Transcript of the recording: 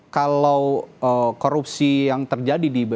kalau korupsi yang terjadi di bumn lain